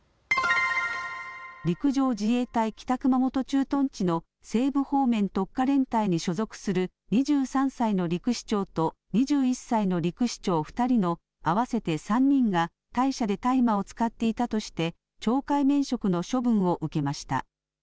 陸上自衛隊北熊本駐屯地の西部方面特科連隊に所属する２３歳の陸士長と２１歳の陸士長２人の合わせて３人が隊舎で大麻を使っていたとして懲戒免職の処分を受けました。